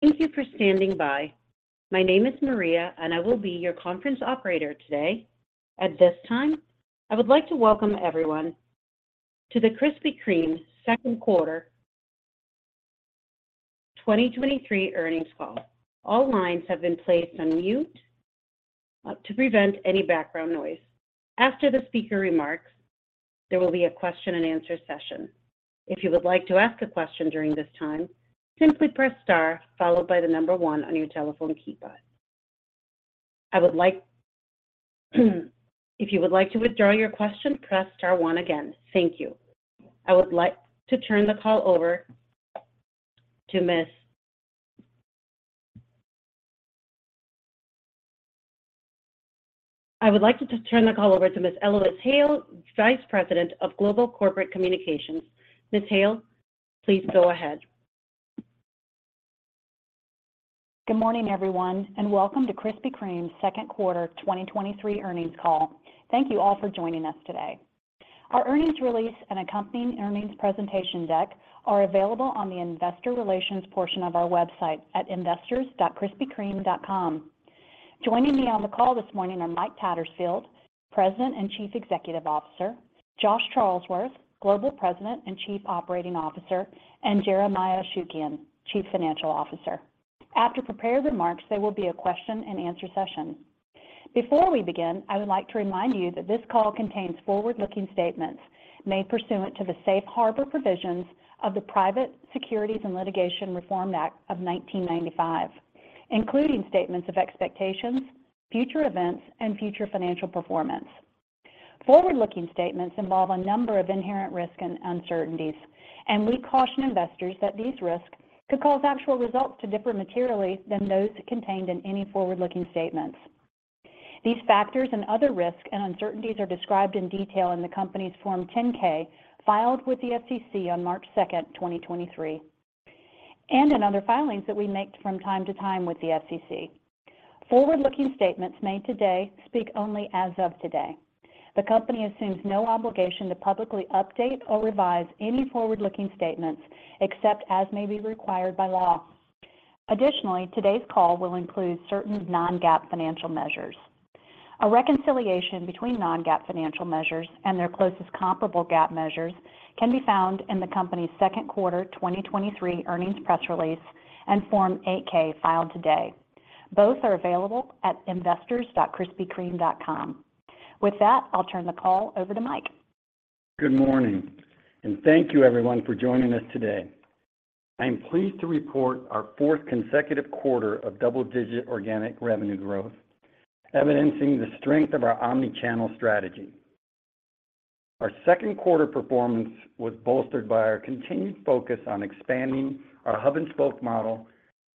Thank you for standing by. My name is Maria, and I will be your conference operator today. At this time, I would like to welcome everyone to the Krispy Kreme Second Quarter 2023 Earnings Call. All lines have been placed on mute to prevent any background noise. After the speaker remarks, there will be a question and answer session. If you would like to ask a question during this time, simply press star followed by the number one on your telephone keypad. If you would like to withdraw your question, press star one again. Thank you. I would like to turn the call over to Ms. Eloise Hale, Vice President of Global Corporate Communications. Ms. Hale, please go ahead. Good morning, everyone, welcome to Krispy Kreme's second quarter 2023 earnings call. Thank you all for joining us today. Our earnings release and accompanying earnings presentation deck are available on the investor relations portion of our website at investors.krispykreme.com. Joining me on the call this morning are Mike Tattersfield, President and Chief Executive Officer, Josh Charlesworth, Global President and Chief Operating Officer, and Jeremiah Ashukian, Chief Financial Officer. After prepared remarks, there will be a question and answer session. Before we begin, I would like to remind you that this call contains forward-looking statements made pursuant to the Safe Harbor Provisions of the Private Securities Litigation Reform Act of 1995, including statements of expectations, future events, and future financial performance. Forward-looking statements involve a number of inherent risks and uncertainties. We caution investors that these risks could cause actual results to differ materially than those contained in any forward-looking statements. These factors and other risks and uncertainties are described in detail in the company's Form 10-K, filed with the SEC on March 2, 2023, and in other filings that we make from time to time with the SEC. Forward-looking statements made today speak only as of today. The company assumes no obligation to publicly update or revise any forward-looking statements, except as may be required by law. Additionally, today's call will include certain non-GAAP financial measures. A reconciliation between non-GAAP financial measures and their closest comparable GAAP measures can be found in the company's second quarter 2023 earnings press release and Form 8-K filed today. Both are available at investors.krispykreme.com. With that, I'll turn the call over to Mike. Good morning, thank you everyone for joining us today. I'm pleased to report our 4th consecutive quarter of double-digit organic revenue growth, evidencing the strength of our omni-channel strategy. Our second quarter performance was bolstered by our continued focus on expanding our hub-and-spoke model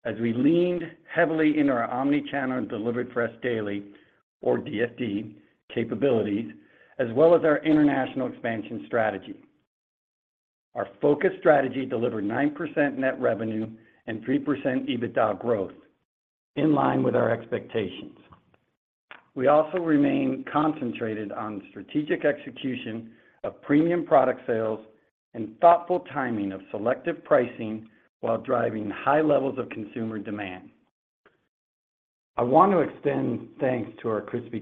as we leaned heavily into our omni-channel and delivered fresh daily or DFD capabilities, as well as our international expansion strategy. Our focus strategy delivered 9% net revenue and 3% EBITDA growth, in line with our expectations. We also remain concentrated on strategic execution of premium product sales and thoughtful timing of selective pricing while driving high levels of consumer demand. I want to extend thanks to our Krispy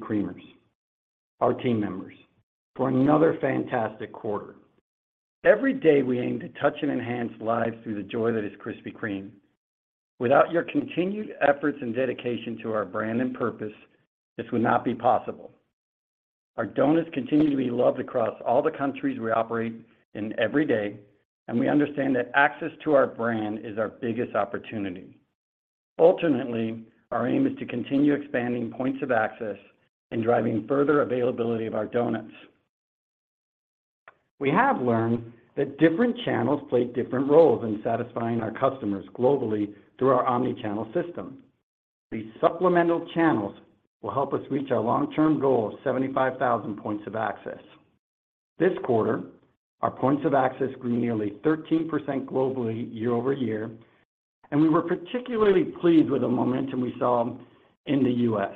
Kremers, our team members, for another fantastic quarter. Every day, we aim to touch and enhance lives through the joy that is Krispy Kreme. Without your continued efforts and dedication to our brand and purpose, this would not be possible. Our doughnuts continue to be loved across all the countries we operate in every day, and we understand that access to our brand is our biggest opportunity. Ultimately, our aim is to continue expanding points of access and driving further availability of our doughnuts. We have learned that different channels play different roles in satisfying our customers globally through our omni-channel system. These supplemental channels will help us reach our long-term goal of 75,000 points of access. This quarter, our points of access grew nearly 13% globally year-over-year, and we were particularly pleased with the momentum we saw in the U.S.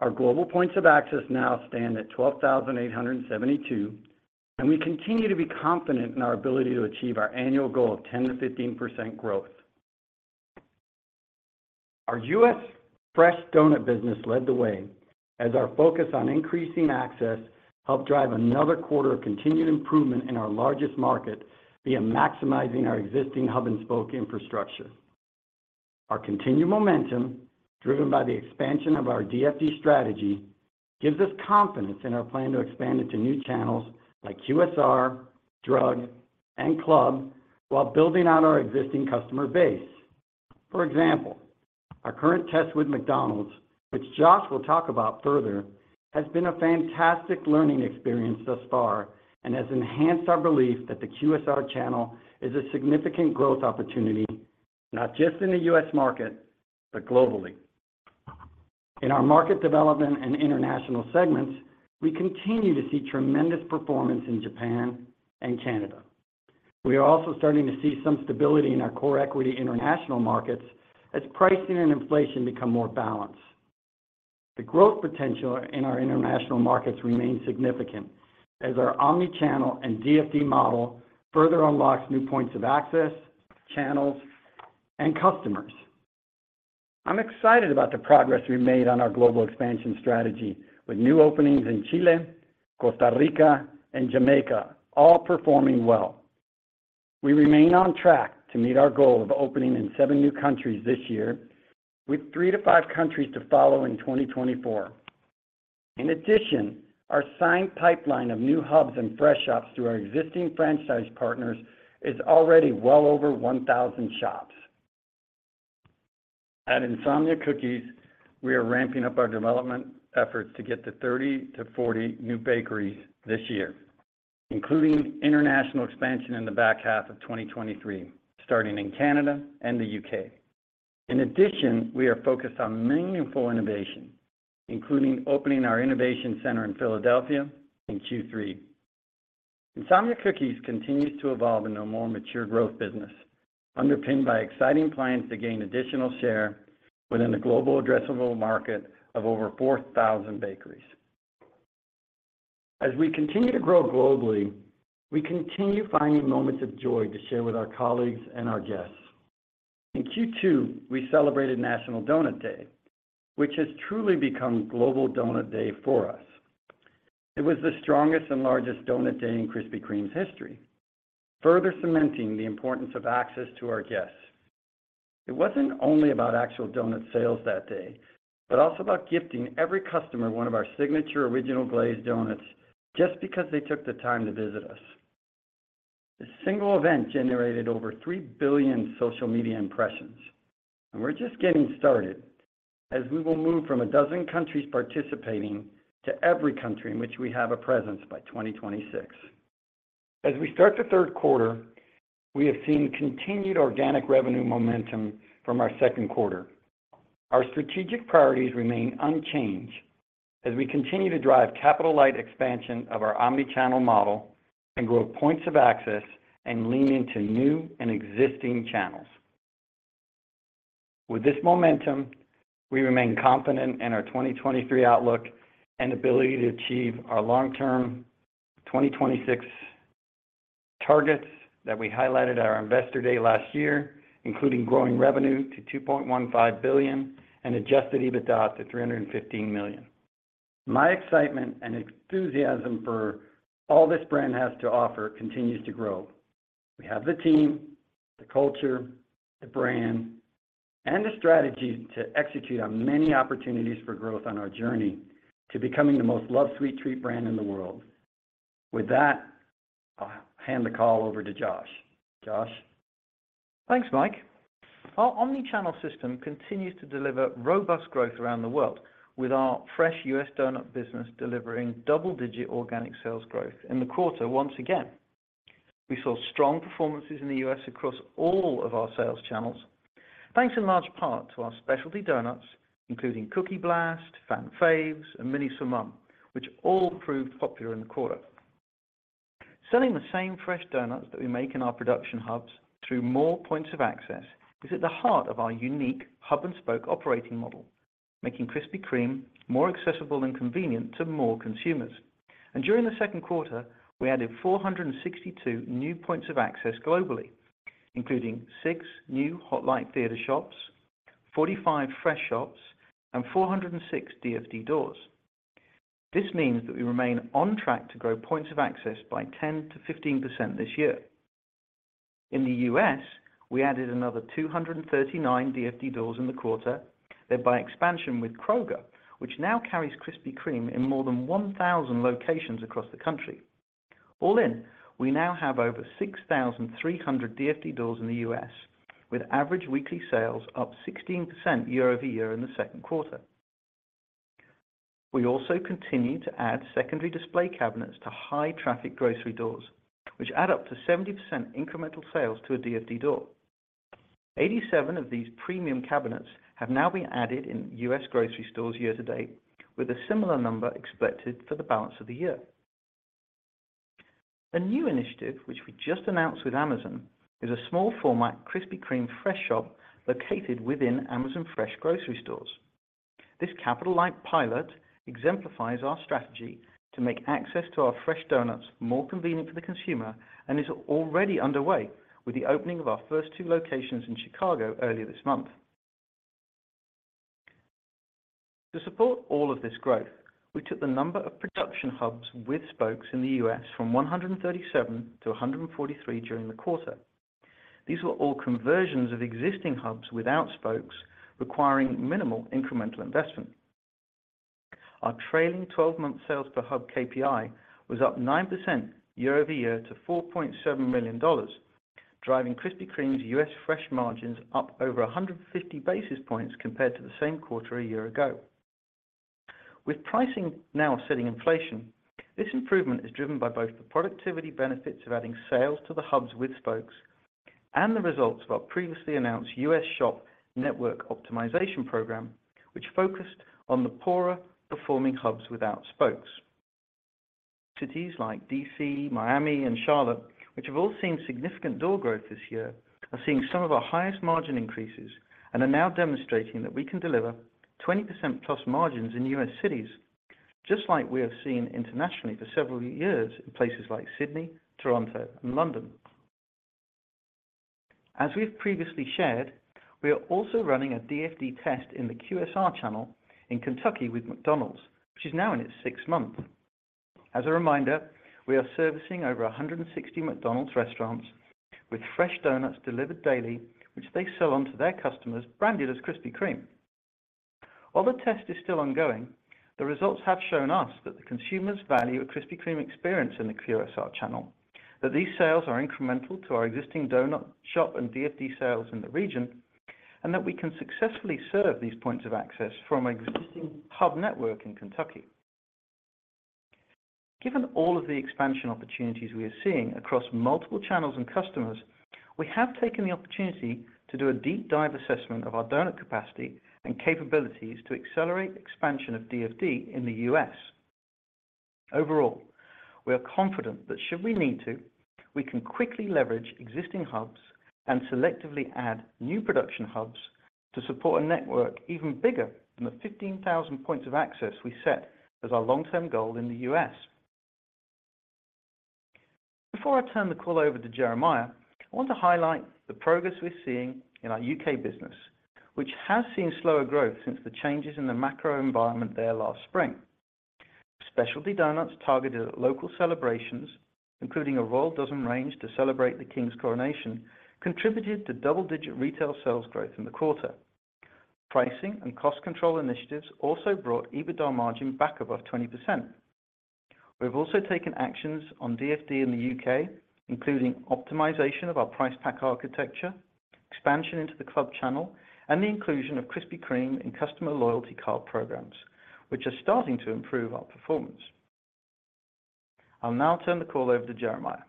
Our global points of access now stand at 12,872, we continue to be confident in our ability to achieve our annual goal of 10%-15% growth. Our U.S. fresh doughnut business led the way as our focus on increasing access helped drive another quarter of continued improvement in our largest market via maximizing our existing hub-and-spoke infrastructure. Our continued momentum, driven by the expansion of our DFD strategy, gives us confidence in our plan to expand into new channels like QSR, drug, and club, while building out our existing customer base. For example, our current test with McDonald's, which Josh will talk about further, has been a fantastic learning experience thus far and has enhanced our belief that the QSR channel is a significant growth opportunity, not just in the U.S. market, but globally. In our market development and international segments, we continue to see tremendous performance in Japan and Canada. We are also starting to see some stability in our core equity international markets as pricing and inflation become more balanced. The growth potential in our international markets remains significant, as our omni-channel and DFD model further unlocks new points of access, channels, and customers. I'm excited about the progress we've made on our global expansion strategy, with new openings in Chile, Costa Rica, and Jamaica, all performing well. We remain on track to meet our goal of opening in seven new countries this year, with three to five countries to follow in 2024. Our signed pipeline of new hubs and fresh shops through our existing franchise partners is already well over 1,000 shops. At Insomnia Cookies, we are ramping up our development efforts to get to 30-40 new bakeries this year, including international expansion in the back half of 2023, starting in Canada and the UK. In addition, we are focused on meaningful innovation, including opening our innovation center in Philadelphia in Q3. Insomnia Cookies continues to evolve into a more mature growth business, underpinned by exciting plans to gain additional share within a global addressable market of over 4,000 bakeries. As we continue to grow globally, we continue finding moments of joy to share with our colleagues and our guests. In Q2, we celebrated National Doughnut Day, which has truly become Global Doughnut Day for us. It was the strongest and largest doughnut day in Krispy Kreme's history, further cementing the importance of access to our guests. It wasn't only about actual doughnut sales that day, but also about gifting every customer one of our signature Original Glazed Doughnuts just because they took the time to visit us. This single event generated over 3 billion social media impressions, and we're just getting started as we will move from 12 countries participating to every country in which we have a presence by 2026. As we start the third quarter, we have seen continued organic revenue momentum from our second quarter. Our strategic priorities remain unchanged as we continue to drive capital-light expansion of our omni-channel model and grow points of access and lean into new and existing channels. With this momentum, we remain confident in our 2023 outlook and ability to achieve our long-term 2020 targets that we highlighted at our Investor Day last year, including growing revenue to $2.15 billion and adjusted EBITDA to $315 million. My excitement and enthusiasm for all this brand has to offer continues to grow. We have the team, the culture, the brand, and the strategy to execute on many opportunities for growth on our journey to becoming the most loved sweet treat brand in the world. With that, I'll hand the call over to Josh. Josh? Thanks, Mike. Our omni-channel system continues to deliver robust growth around the world, with our fresh U.S. doughnut business delivering double-digit organic sales growth in the quarter once again. We saw strong performances in the U.S. across all of our sales channels, thanks in large part to our specialty doughnuts, including Cookie Blast, Fan Favs, and Mini Summer, which all proved popular in the quarter. Selling the same fresh doughnuts that we make in our production hubs through more points of access is at the heart of our unique hub-and-spoke operating model, making Krispy Kreme more accessible and convenient to more consumers. During the second quarter, we added 462 new points of access globally, including 6 new Hot Light Theater shops, 45 fresh shops, and 406 DFD doors. This means that we remain on track to grow points of access by 10%-15% this year. In the U.S., we added another 239 DFD doors in the quarter, led by expansion with Kroger, which now carries Krispy Kreme in more than 1,000 locations across the country. All in, we now have over 6,300 DFD doors in the U.S., with average weekly sales up 16% year-over-year in the second quarter. We also continued to add secondary display cabinets to high-traffic grocery doors, which add up to 70% incremental sales to a DFD door. 87 of these premium cabinets have now been added in U.S. grocery stores year to date, with a similar number expected for the balance of the year. A new initiative, which we just announced with Amazon, is a small format Krispy Kreme fresh shop located within Amazon Fresh grocery stores. This capital light pilot exemplifies our strategy to make access to our fresh doughnuts more convenient for the consumer and is already underway with the opening of our first two locations in Chicago earlier this month. To support all of this growth, we took the number of production hubs with spokes in the U.S. from 137 to 143 during the quarter. These were all conversions of existing hubs without spokes, requiring minimal incremental investment. Our trailing twelve-month sales per hub KPI was up 9% year-over-year to $4.7 million, driving Krispy Kreme's U.S. fresh margins up over 150 basis points compared to the same quarter a year ago. With pricing now setting inflation, this improvement is driven by both the productivity benefits of adding sales to the hubs with spokes and the results of our previously announced U.S. shop network optimization program, which focused on the poorer performing hubs without spokes, cities like D.C., Miami, and Charlotte, which have all seen significant door growth this year, are seeing some of our highest margin increases and are now demonstrating that we can deliver +20% margins in U.S. cities, just like we have seen internationally for several years in places like Sydney, Toronto, and London. As we've previously shared, we are also running a DFD test in the QSR channel in Kentucky with McDonald's, which is now in its sixth month. As a reminder, we are servicing over 160 McDonald's restaurants with fresh doughnuts delivered daily, which they sell on to their customers, branded as Krispy Kreme. While the test is still ongoing, the results have shown us that the consumers value a Krispy Kreme experience in the QSR channel, that these sales are incremental to our existing doughnut shop and DFD sales in the region, and that we can successfully serve these points of access from an existing hub network in Kentucky. Given all of the expansion opportunities we are seeing across multiple channels and customers, we have taken the opportunity to do a deep dive assessment of our doughnut capacity and capabilities to accelerate expansion of DFD in the U.S. Overall, we are confident that should we need to, we can quickly leverage existing hubs and selectively add new production hubs to support a network even bigger than the 15,000 points of access we set as our long-term goal in the U.S. Before I turn the call over to Jeremiah, I want to highlight the progress we're seeing in our U.K. business, which has seen slower growth since the changes in the macro environment there last spring. Specialty doughnuts targeted at local celebrations, including a Royal Dozen range to celebrate the King's coronation, contributed to double-digit retail sales growth in the quarter. Pricing and cost control initiatives also brought EBITDA margin back above 20%. We've also taken actions on DFD in the UK, including optimization of our price pack architecture, expansion into the club channel, and the inclusion of Krispy Kreme in customer loyalty card programs, which are starting to improve our performance. I'll now turn the call over to Jeremiah.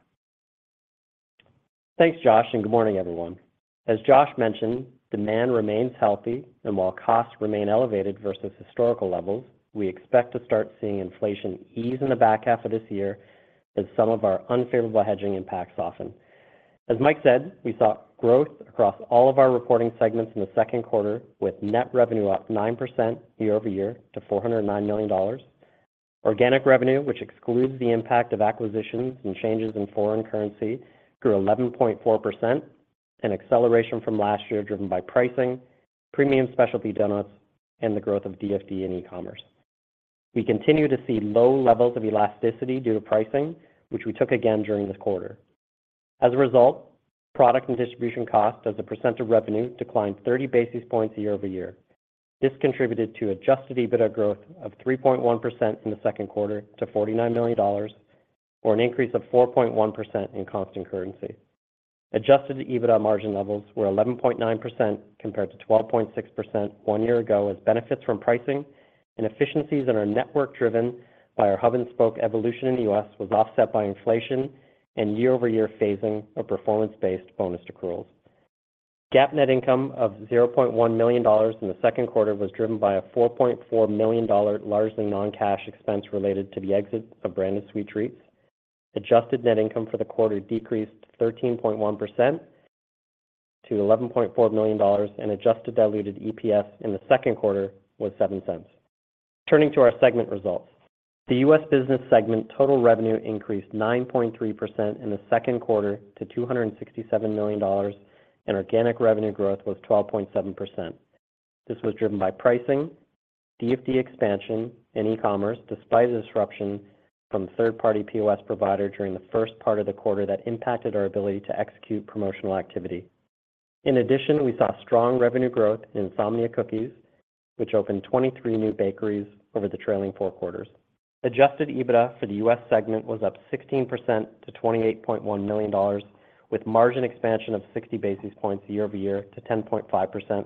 Thanks, Josh. Good morning, everyone. As Josh mentioned, demand remains healthy. While costs remain elevated versus historical levels, we expect to start seeing inflation ease in the back half of this year as some of our unfavorable hedging impacts soften. As Mike said, we saw growth across all of our reporting segments in the second quarter, with net revenue up 9% year-over-year to $409 million. Organic revenue, which excludes the impact of acquisitions and changes in foreign currency, grew 11.4%, an acceleration from last year, driven by pricing, premium specialty donuts, and the growth of DFD and e-commerce. We continue to see low levels of elasticity due to pricing, which we took again during this quarter. As a result, product and distribution costs as a percent of revenue declined 30 basis points year-over-year. This contributed to adjusted EBITDA growth of 3.1% in the second quarter to $49 million, or an increase of 4.1% in constant currency. Adjusted EBITDA margin levels were 11.9%, compared to 12.6% one year ago, as benefits from pricing and efficiencies that are network-driven by our hub-and-spoke evolution in the U.S. was offset by inflation and year-over-year phasing of performance-based bonus accruals. GAAP net income of $0.1 million in the second quarter was driven by a $4.4 million, largely non-cash expense related to the exit of Branded Sweet Treats. Adjusted net income for the quarter decreased to 13.1% to $11.4 million, and adjusted diluted EPS in the second quarter was $0.07. Turning to our segment results. The U.S. business segment total revenue increased 9.3% in the 2Q to $267 million, and organic revenue growth was 12.7%. This was driven by pricing, DFD expansion, and e-commerce, despite a disruption from third-party POS provider during the first part of the quarter that impacted our ability to execute promotional activity. In addition, we saw strong revenue growth in Insomnia Cookies, which opened 23 new bakeries over the trailing four quarters. Adjusted EBITDA for the U.S. segment was up 16% to $28.1 million, with margin expansion of 60 basis points year-over-year to 10.5%,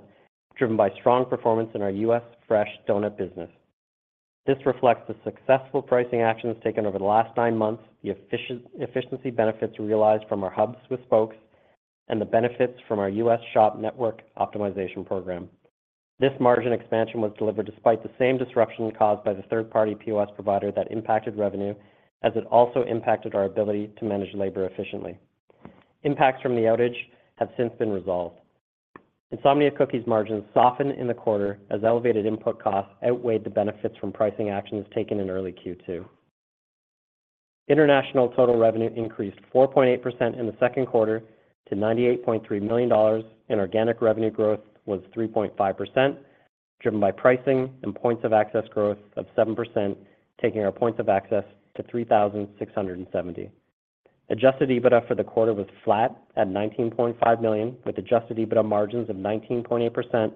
driven by strong performance in our U.S. fresh doughnut business. This reflects the successful pricing actions taken over the last 9 months, the efficiency benefits realized from our hubs with spokes, and the benefits from our U.S. shop network optimization program. This margin expansion was delivered despite the same disruption caused by the third-party POS provider that impacted revenue, as it also impacted our ability to manage labor efficiently. Impacts from the outage have since been resolved. Insomnia Cookies margins softened in the quarter as elevated input costs outweighed the benefits from pricing actions taken in early Q2. International total revenue increased 4.8% in the second quarter to $98.3 million, organic revenue growth was 3.5%, driven by pricing and points of access growth of 7%, taking our points of access to 3,670. Adjusted EBITDA for the quarter was flat at $19.5 million, with adjusted EBITDA margins of 19.8%,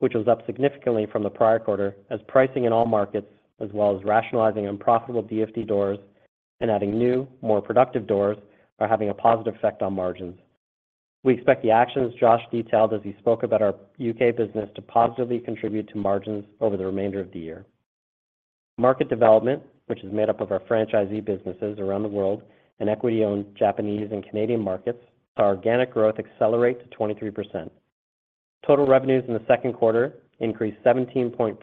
which was up significantly from the prior quarter as pricing in all markets, as well as rationalizing unprofitable DFD doors and adding new, more productive doors, are having a positive effect on margins. We expect the actions Josh detailed as he spoke about our UK business to positively contribute to margins over the remainder of the year. Market development, which is made up of our franchisee businesses around the world and equity-owned Japanese and Canadian markets, saw organic growth accelerate to 23%. Total revenues in the second quarter increased 17.4%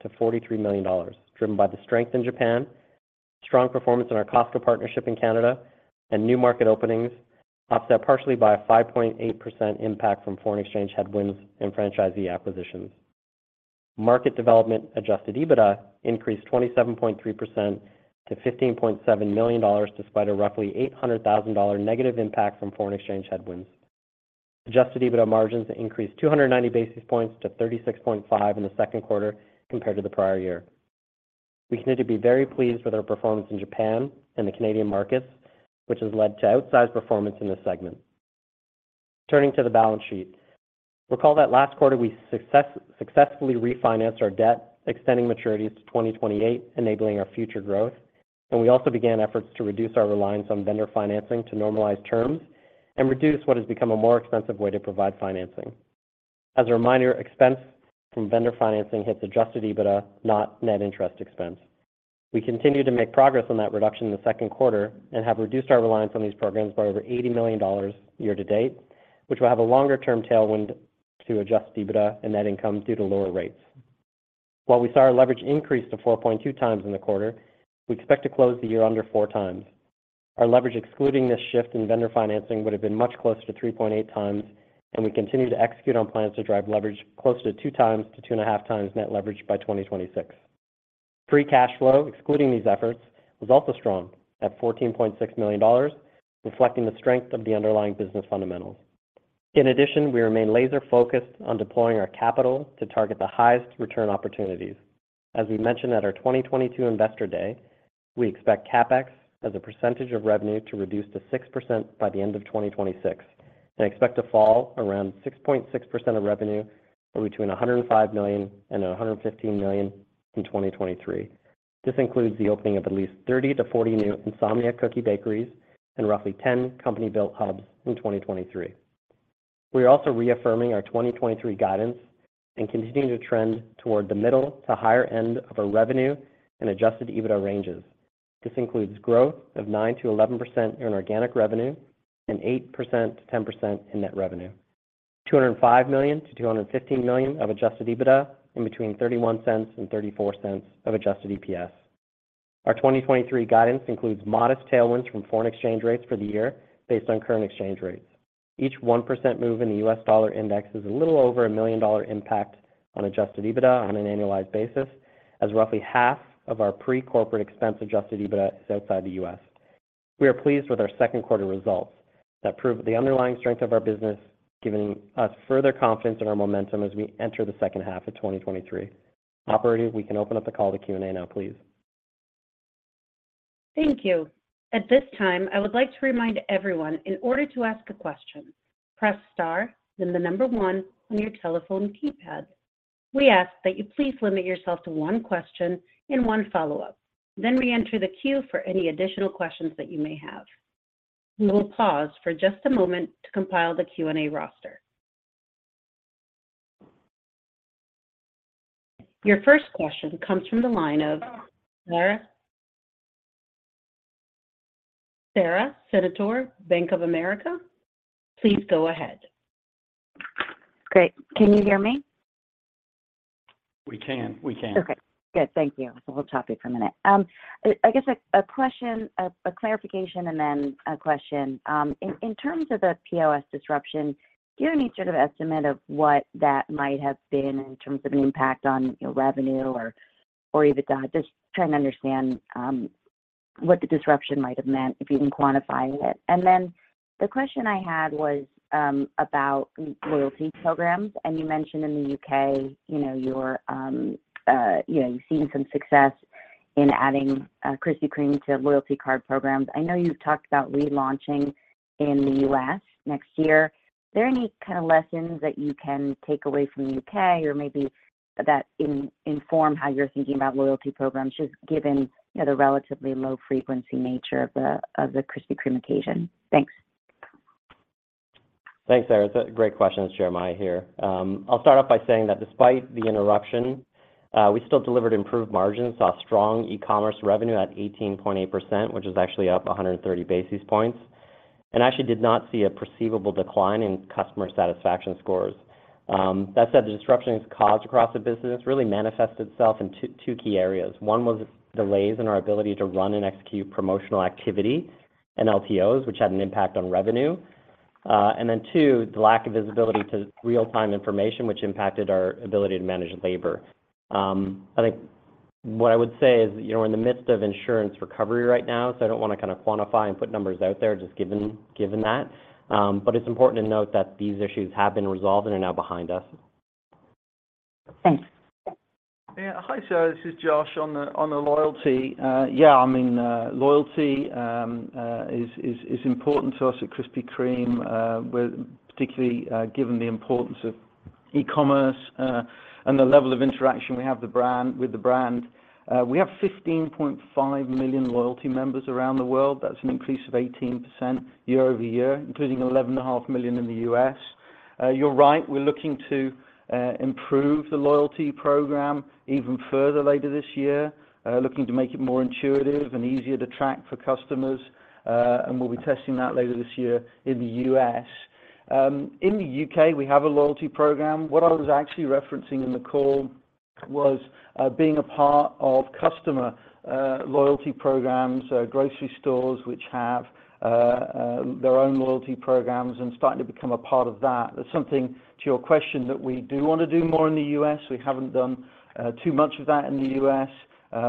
to $43 million, driven by the strength in Japan, strong performance in our Costco partnership in Canada, and new market openings, offset partially by a 5.8% impact from foreign exchange headwinds and franchisee acquisitions. Market development adjusted EBITDA increased 27.3% to $15.7 million, despite a roughly $800,000 negative impact from foreign exchange headwinds. Adjusted EBITDA margins increased 290 basis points to 36.5% in the second quarter compared to the prior year. We continue to be very pleased with our performance in Japan and the Canadian markets, which has led to outsized performance in this segment. Turning to the balance sheet. Recall that last quarter, we successfully refinanced our debt, extending maturities to 2028, enabling our future growth, and we also began efforts to reduce our reliance on vendor financing to normalize terms and reduce what has become a more expensive way to provide financing. As a reminder, expense from vendor financing hits adjusted EBITDA, not net interest expense. We continue to make progress on that reduction in the second quarter and have reduced our reliance on these programs by over $80 million year to date, which will have a longer-term tailwind to adjusted EBITDA and net income due to lower rates. While we saw our leverage increase to 4.2x in the quarter, we expect to close the year under 4 times. Our leverage, excluding this shift in vendor financing, would have been much closer to 3.8x. We continue to execute on plans to drive leverage closer to 2x-2.5x net leverage by 2026. Free cash flow, excluding these efforts, was also strong at $14.6 million, reflecting the strength of the underlying business fundamentals. In addition, we remain laser-focused on deploying our capital to target the highest return opportunities. As we mentioned at our 2022 Investor Day, we expect CapEx as a percentage of revenue to reduce to 6% by the end of 2026 and expect to fall around 6.6% of revenue, or between $105 million and $115 million in 2023. This includes the opening of at least 30-40 new Insomnia Cookie bakeries and roughly 10 company-built hubs in 2023. We are also reaffirming our 2023 guidance and continuing to trend toward the middle to higher end of our revenue and adjusted EBITDA ranges. This includes growth of 9%-11% in organic revenue and 8%-10% in net revenue. $205 million-$215 million of adjusted EBITDA, and between $0.31 and $0.34 of adjusted EPS. Our 2023 guidance includes modest tailwinds from foreign exchange rates for the year based on current exchange rates. Each 1% move in the U.S. Dollar Index is a little over a $1 million impact on adjusted EBITDA on an annualized basis, as roughly half of our pre-corporate expense adjusted EBITDA is outside the U.S. We are pleased with our second quarter results that prove the underlying strength of our business, giving us further confidence in our momentum as we enter the second half of 2023. Operator, we can open up the call to Q&A now, please. Thank you. At this time, I would like to remind everyone, in order to ask a question, press star, then the number one on your telephone keypad. We ask that you please limit yourself to one question and one follow-up, then reenter the queue for any additional questions that you may have. We will pause for just a moment to compile the Q&A roster. Your first question comes from the line of Sara Senatore, Bank of America, please go ahead. Great. Can you hear me? We can. We can. Okay, good. Thank you. I was a little choppy for a minute. I, I guess a, a question, a, a clarification, and then a question. In terms of the POS disruption, do you have any sort of estimate of what that might have been in terms of an impact on, you know, revenue or EBITDA? Just trying to understand what the disruption might have meant, if you can quantify it. The question I had was about loyalty programs, and you mentioned in the U.K., you know, you're, you've seen some success in adding Krispy Kreme to loyalty card programs. I know you've talked about relaunching in the U.S. next year. Are there any kind of lessons that you can take away from the U.K. or maybe that inform how you're thinking about loyalty programs, just given, you know, the relatively low frequency nature of the, of the Krispy Kreme occasion? Thanks. Thanks, Sarah. It's a great question. It's Jeremiah here. I'll start off by saying that despite the interruption, we still delivered improved margins, saw strong e-commerce revenue at 18.8%, which is actually up 130 basis points, and actually did not see a perceivable decline in customer satisfaction scores. That said, the disruptions caused across the business really manifested itself in 2, 2 key areas. One was delays in our ability to run and execute promotional activity and LTOs, which had an impact on revenue. Then two, the lack of visibility to real-time information, which impacted our ability to manage labor. I think what I would say is, you know, we're in the midst of insurance recovery right now, so I don't want to kind of quantify and put numbers out there, just given, given that. It's important to note that these issues have been resolved and are now behind us. Thanks. Yeah. Hi, Sara, this is Josh. On the, on the loyalty, yeah, I mean, loyalty is important to us at Krispy Kreme, with particularly given the importance of e-commerce, and the level of interaction we have with the brand. We have 15.5 million loyalty members around the world. That's an increase of 18% year-over-year, including 11.5 million in the U.S. You're right, we're looking to improve the loyalty program even further later this year, looking to make it more intuitive and easier to track for customers. And we'll be testing that later this year in the U.S. In the U.K., we have a loyalty program. What I was actually referencing in the call was being a part of customer loyalty programs, grocery stores, which have their own loyalty programs, and starting to become a part of that. That's something, to your question, that we do want to do more in the U.S. We haven't done too much of that in the U.S.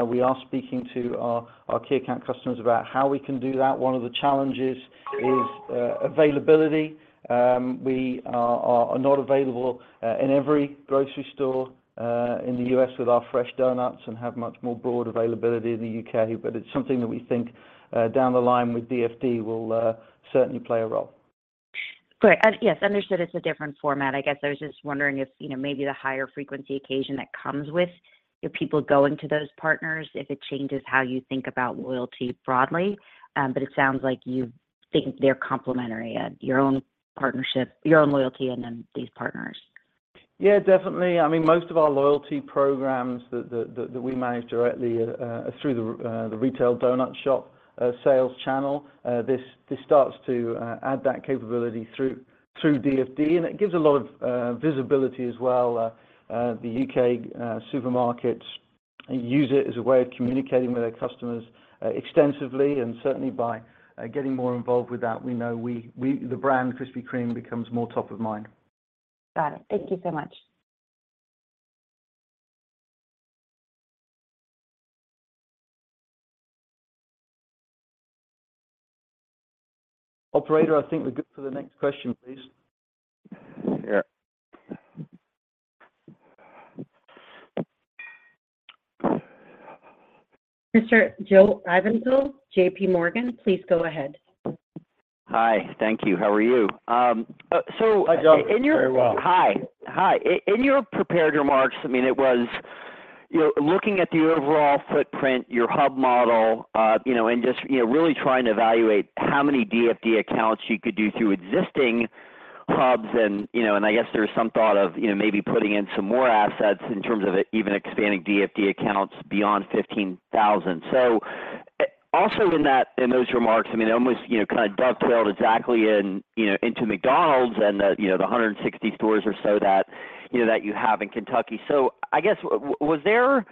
We are speaking to our, our key account customers about how we can do that. One of the challenges is availability. We are not available in every grocery store in the U.S. with our fresh donuts and have much more broad availability in the U.K., but it's something that we think down the line with DFD will certainly play a role. Great. Yes, understood it's a different format. I guess I was just wondering if, you know, maybe the higher frequency occasion that comes with your people going to those partners, if it changes how you think about loyalty broadly. But it sounds like you think they're complementary, your own loyalty, and then these partners. Yeah, definitely. I mean, most of our loyalty programs that we manage directly, through the retail donut shop, sales channel, this starts to add that capability through DFD, and it gives a lot of visibility as well. The UK supermarkets use it as a way of communicating with their customers extensively, and certainly by getting more involved with that, we know the brand Krispy Kreme becomes more top of mind. Got it. Thank you so much. Operator, I think we're good for the next question, please. Yeah. Mr. John Ivankoe, JP Morgan, please go ahead. Hi, thank you. How are you? Hi, Joe. Very well. Hi. Hi. In your prepared remarks, I mean, it was, you know, looking at the overall footprint, your hub model, you know, and just, you know, really trying to evaluate how many DFD accounts you could do through existing hubs and, you know, and I guess there was some thought of, you know, maybe putting in some more assets in terms of even expanding DFD accounts beyond 15,000. Also in that, in those remarks, I mean, it almost, you know, kind of dovetailed exactly in, you know, into McDonald's and the, you know, the 160 stores or so that, you know, that you have in Kentucky. I guess, was there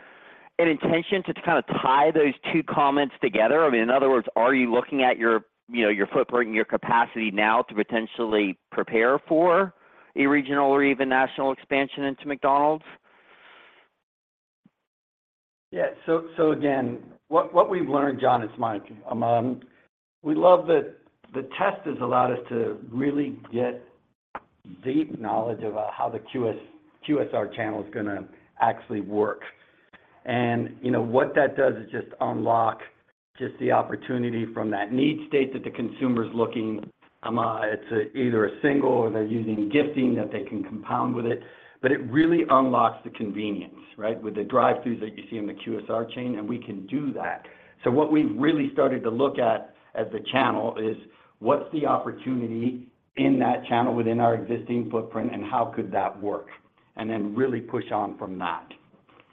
an intention to kind of tie those two comments together? I mean, in other words, are you looking at your, you know, your footprint and your capacity now to potentially prepare for a regional or even national expansion into McDonald's? Yeah. So again, what, what we've learned, John, is my... We love that the test has allowed us to really get deep knowledge about how the QSR, QSR channel is going to actually work. You know, what that does is just unlock just the opportunity from that need state that the consumer is looking, it's either a single or they're using gifting, that they can compound with it, but it really unlocks the convenience, right? With the drive-throughs that you see in the QSR chain, we can do that. What we've really started to look at as a channel is, what's the opportunity in that channel within our existing footprint, and how could that work? Then really push on from that.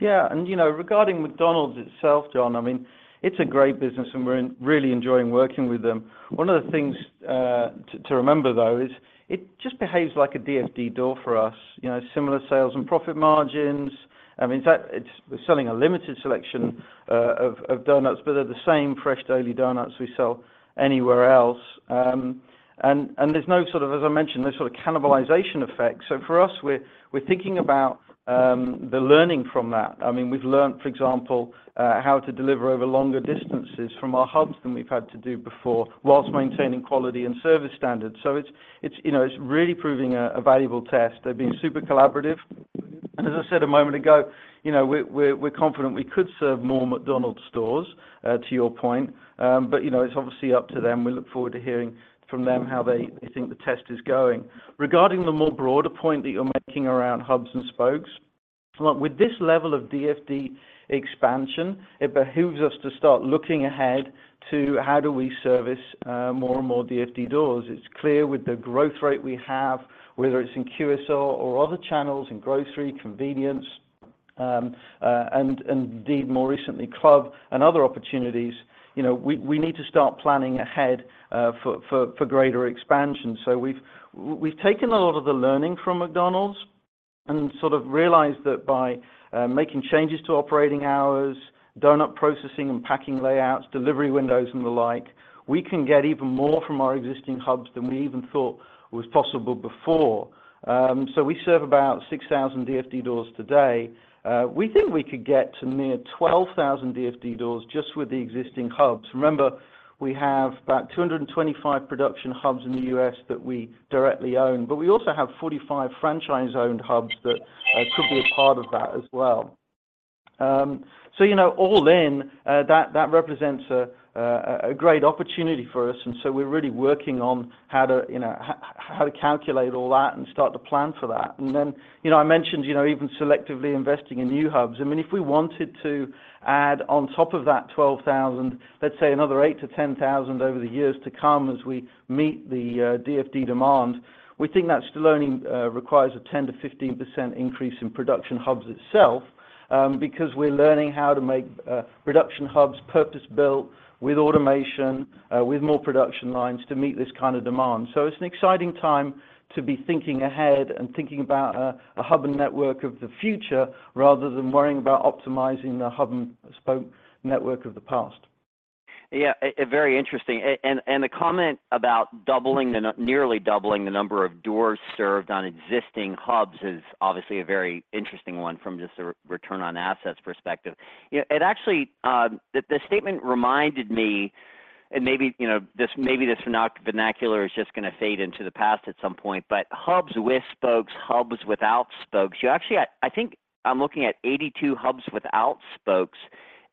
Yeah, you know, regarding McDonald's itself, John, I mean, it's a great business, and we're really enjoying working with them. One of the things, to, to remember, though, is it just behaves like a DFD door for us. You know, similar sales and profit margins. I mean, in fact, we're selling a limited selection, of, of donuts, but they're the same fresh daily donuts we sell anywhere else. There's no sort of, as I mentioned, no sort of cannibalization effect. For us, we're, we're thinking about, the learning from that. I mean, we've learned, for example, how to deliver over longer distances from our hubs than we've had to do before, whilst maintaining quality and service standards. It's, it's, you know, it's really proving a, a valuable test. They've been super collaborative. As I said a moment ago, you know, we're confident we could serve more McDonald's stores, to your point. You know, it's obviously up to them. We look forward to hearing from them how they think the test is going. Regarding the more broader point that you're making around hubs and spokes, look, with this level of DFD expansion, it behooves us to start looking ahead to how do we service more and more DFD doors. It's clear with the growth rate we have, whether it's in QSR or other channels, in grocery, convenience, and indeed more recently, club and other opportunities, you know, we need to start planning ahead for greater expansion. We've taken a lot of the learning from McDonald's and sort of realized that by making changes to operating hours, doughnut processing and packing layouts, delivery windows, and the like, we can get even more from our existing hubs than we even thought was possible before. We serve about 6,000 DFD doors today. We think we could get to near 12,000 DFD doors just with the existing hubs. Remember, we have about 225 production hubs in the U.S. that we directly own, but we also have 45 franchise-owned hubs that could be a part of that as well. You know, all in, that represents a great opportunity for us, and we're really working on how to, you know, how to calculate all that and start to plan for that. Then, you know, I mentioned, you know, even selectively investing in new hubs. I mean, if we wanted to add on top of that 12,000, let's say another 8,000-10,000 over the years to come as we meet the DFD demand, we think that's learning, requires a 10%-15% increase in production hubs itself. Because we're learning how to make production hubs purpose-built with automation, with more production lines to meet this kind of demand. It's an exciting time to be thinking ahead and thinking about a, a hub and network of the future, rather than worrying about optimizing the hub-and-spoke network of the past. Yeah, very interesting. And the comment about doubling the nearly doubling the number of doors served on existing hubs is obviously a very interesting one from just a return on assets perspective. You know, it actually, the statement reminded me, and maybe, you know, this, maybe this vernacular is just going to fade into the past at some point, but hubs with spokes, hubs without spokes, you actually, I think I'm looking at 82 hubs without spokes.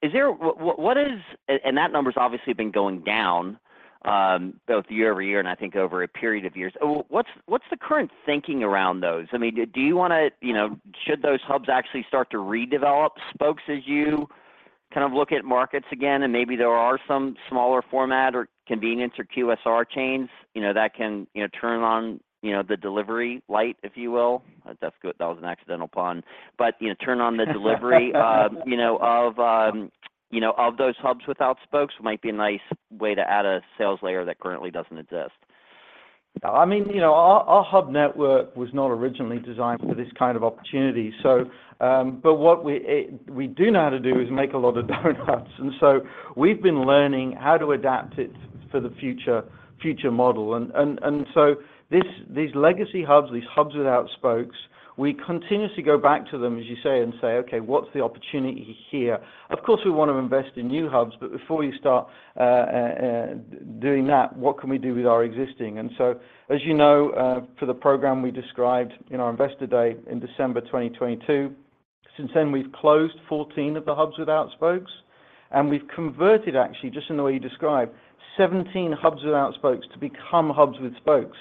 Is there? What, what is? And that number's obviously been going down, both year-over-year, and I think over a period of years. What's, what's the current thinking around those? I mean, do, do you want to, you know, should those hubs actually start to redevelop spokes as you kind of look at markets again, and maybe there are some smaller format or convenience or QSR chains, you know, that can, you know, turn on, you know, the delivery light, if you will? That's good. That was an accidental pun. you know, turn on the delivery, you know, of, you know, of those hubs without spokes might be a nice way to add a sales layer that currently doesn't exist. I mean, you know, our, our hub network was not originally designed for this kind of opportunity. But what we do know how to do is make a lot of doughnuts. So we've been learning how to adapt it for the future, future model. These legacy hubs, these hubs without spokes, we continuously go back to them, as you say, and say, "Okay, what's the opportunity here?" Of course, we want to invest in new hubs, before you start doing that, what can we do with our existing? As you know, for the program we described in our Investor Day in December 2022, since then, we've closed 14 of the hubs without spokes, and we've converted, actually, just in the way you described, 17 hubs without spokes to become hubs with spokes.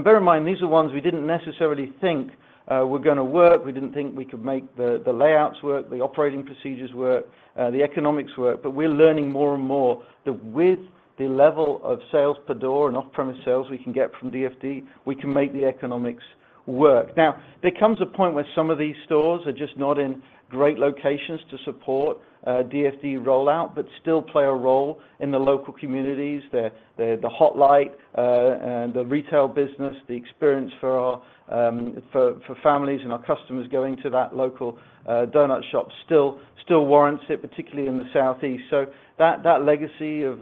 Bear in mind, these are ones we didn't necessarily think were going to work. We didn't think we could make the layouts work, the operating procedures work, the economics work, but we're learning more and more that with the level of sales per door and off-premise sales we can get from DFD, we can make the economics work. Now, there comes a point where some of these stores are just not in great locations to support a DFD rollout, but still play a role in the local communities. The Hot Light and the retail business, the experience for our families and our customers going to that local doughnut shop still warrants it, particularly in the Southeast. That, that legacy of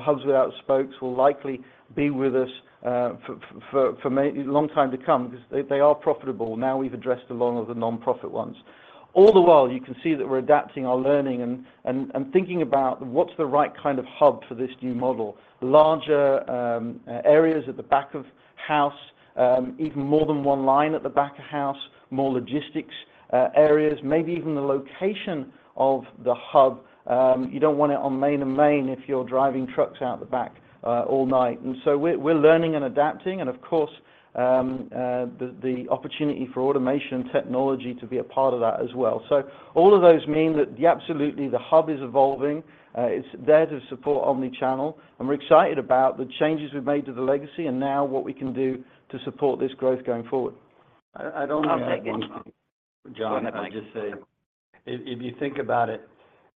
hubs without spokes will likely be with us for, for a long time to come because they, they are profitable. Now, we've addressed a lot of the nonprofit ones. All the while, you can see that we're adapting our learning and, and, and thinking about what's the right kind of hub for this new model. Larger areas at the back of house, even more than one line at the back of house, more logistics areas, maybe even the location of the hub. You don't want it on Main and Main if you're driving trucks out the back all night. We're, we're learning and adapting, and of course, the, the opportunity for automation and technology to be a part of that as well. All of those mean that, yeah, absolutely, the hub is evolving. It's there to support omni-channel, and we're excited about the changes we've made to the legacy and now what we can do to support this growth going forward. I'd only add one thing, John. Go ahead, Mike. I'd just say, if, if you think about it,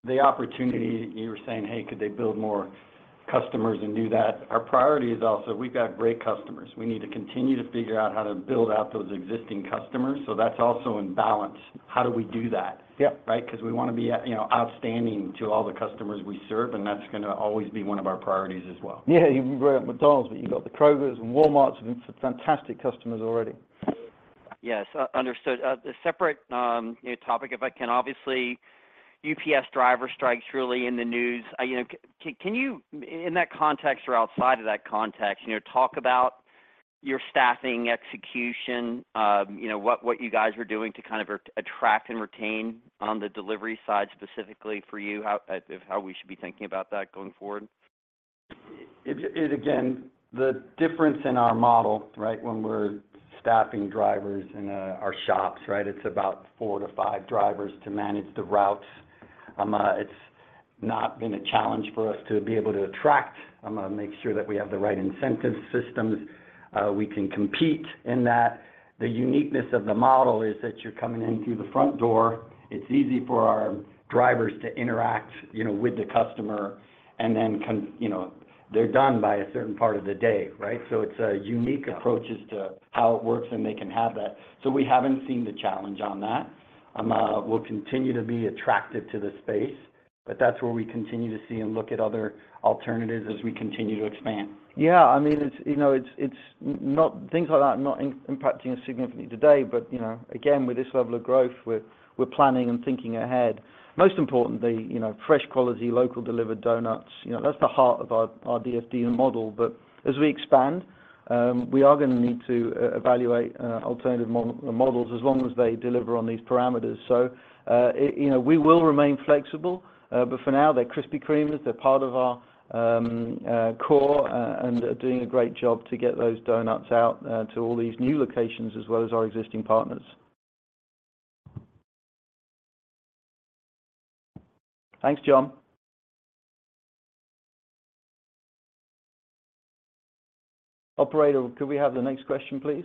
the opportunity, you were saying, "Hey, could they build more customers and do that?" Our priority is also, we've got great customers. We need to continue to figure out how to build out those existing customers. That's also in balance. How do we do that? Yeah. Right? 'Cause we want to be, you know, outstanding to all the customers we serve, and that's going to always be one of our priorities as well. Yeah, you've got McDonald's, you've got the Krogers and Walmarts and some fantastic customers already. Yes, understood. A separate, you know, topic, if I can. Obviously, UPS driver strike truly in the news. You know, can you, in that context or outside of that context, you know, talk about your staffing, execution, you know, what, what you guys are doing to kind of attract and retain on the delivery side, specifically for you, how, how we should be thinking about that going forward? It, it, again, the difference in our model, right, when we're staffing drivers in our shops, right? It's about four to five drivers to manage the routes. It's not been a challenge for us to be able to attract. I'm ging to make sure that we have the right incentive systems, we can compete in that. The uniqueness of the model is that you're coming in through the front door. It's easy for our drivers to interact, you know, with the customer, and then you know, they're done by a certain part of the day, right? It's a unique approach as to how it works, and they can have that. We haven't seen the challenge on that. We'll continue to be attractive to the space, but that's where we continue to see and look at other alternatives as we continue to expand. Yeah, I mean, it's, you know, it's not things like that are not impacting us significantly today, but, you know, again, with this level of growth, we're, we're planning and thinking ahead. Most importantly, you know, fresh quality, local delivered doughnuts, you know, that's the heart of our DFD model. As we expand, we are going to need to evaluate alternative models as long as they deliver on these parameters. You know, we will remain flexible, but for now, they're Krispy Kreme's, they're part of our core, and they're doing a great job to get those doughnuts out to all these new locations as well as our existing partners. Thanks, John. Operator, could we have the next question, please?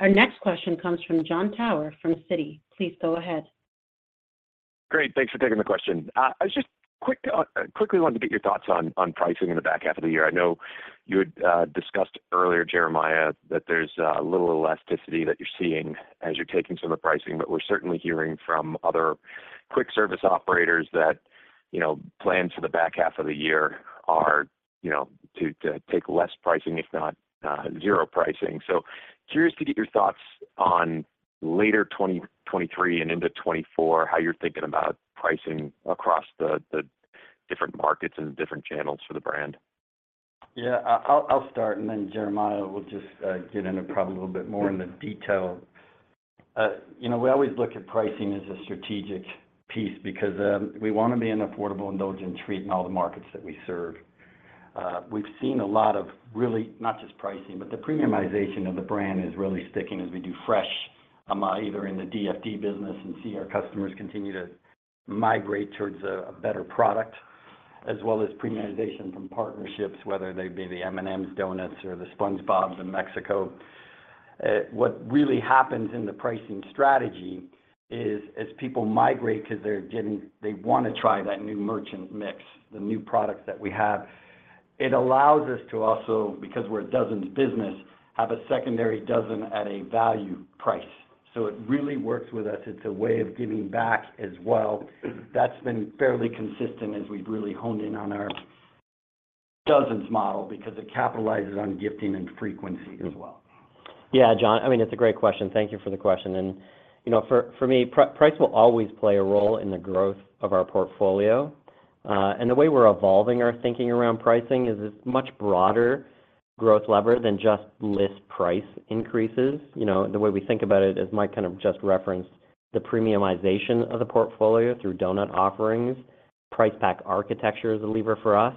Our next question comes from Jon Tower from Citi. Please go ahead. Great, thanks for taking the question. I just quick, quickly wanted to get your thoughts on, on pricing in the back half of the year. I know you had discussed earlier, Jeremiah, that there's a little elasticity that you're seeing as you're taking some of the pricing, but we're certainly hearing from other quick service operators that, you know, plans for the back half of the year are, you know, to, to take less pricing, if not zero pricing. Curious to get your thoughts on later 2023 and into 2024, how you're thinking about pricing across the different markets and different channels for the brand. Yeah, I'll start, and then Jeremiah will just get into probably a little bit more in the detail. You know, we always look at pricing as a strategic piece because we want to be an affordable indulgent treat in all the markets that we serve. We've seen a lot of really, not just pricing, but the premiumization of the brand is really sticking as we do fresh, either in the DFD business and see our customers continue to migrate towards a better product, as well as premiumization from partnerships, whether they be the M&M's doughnuts or the SpongeBob in Mexico What really happens in the pricing strategy is, as people migrate because they want to try that new merchant mix, the new products that we have, it allows us to also, because we're a dozens business, have a secondary dozen at a value price. It really works with us. It's a way of giving back as well. That's been fairly consistent as we've really honed in on our dozens model because it capitalizes on gifting and frequency as well. Yeah, John, I mean, it's a great question. Thank you for the question. You know, for, for me, price will always play a role in the growth of our portfolio. The way we're evolving our thinking around pricing is it's much broader growth lever than just list price increases. You know, the way we think about it, as Mike kind of just referenced, the premiumization of the portfolio through donut offerings, price pack architecture is a lever for us.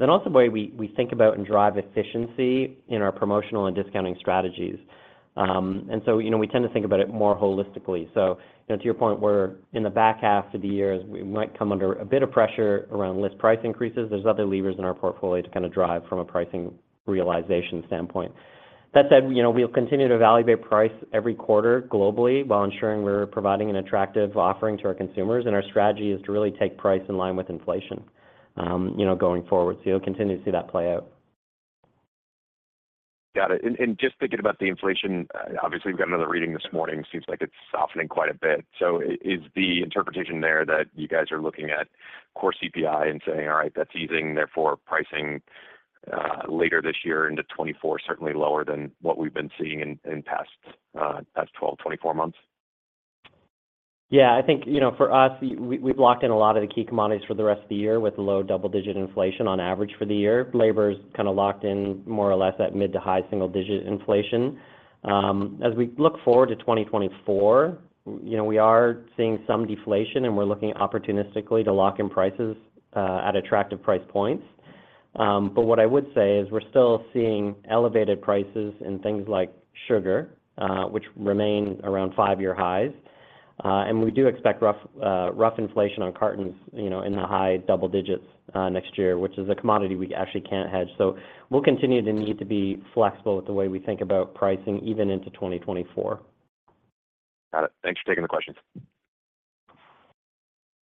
Also the way we, we think about and drive efficiency in our promotional and discounting strategies. You know, we tend to think about it more holistically. You know, to your point, we're in the back half of the year, as we might come under a bit of pressure around list price increases, there's other levers in our portfolio to kind of drive from a pricing realization standpoint. That said, you know, we'll continue to evaluate price every quarter globally, while ensuring we're providing an attractive offering to our consumers, and our strategy is to really take price in line with inflation, you know, going forward. You'll continue to see that play out. Got it. Just thinking about the inflation, obviously, we've got another reading this morning, seems like it's softening quite a bit. Is the interpretation there that you guys are looking at core CPI and saying, "All right, that's easing, therefore, pricing, later this year into 2024, certainly lower than what we've been seeing last 12, 24 months? Yeah, I think, for us, we, we've locked in a lot of the key commodities for the rest of the year with low double-digit inflation on average for the year. Labor's kind of locked in more or less at mid to high single digit inflation. As we look forward to 2024, we are seeing some deflation, and we're looking opportunistically to lock in prices at attractive price points. But what I would say is we're still seeing elevated prices in things like sugar, which remain around 5-year highs. We do expect rough, rough inflation on cartons, in the high double digits next year, which is a commodity we actually can't hedge. We'll continue to need to be flexible with the way we think about pricing, even into 2024. Got it. Thanks for taking the questions.